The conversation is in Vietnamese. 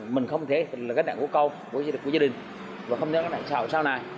mình không thể là gánh đạn của công của gia đình và không thể là gánh đạn xã hội sau này